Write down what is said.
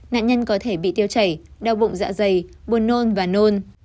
nạn nhân có thể bị tiêu chảy đau bụng dạ dày buồn nôn và nôn